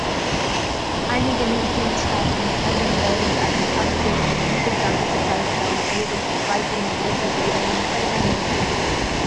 Einige Mitgliedstaaten können während eines achtjährigen Übergangszeitraums jedoch auch weiterhin Tätowierungen verwenden.